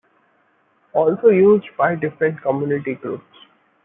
Also used by different community groups.